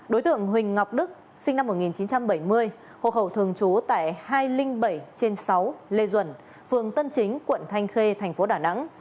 đối tượng huỳnh ngọc đức sinh năm một nghìn chín trăm bảy mươi hộ khẩu thường trú tại hai trăm linh bảy trên sáu lê duẩn phường tân chính quận thanh khê thành phố đà nẵng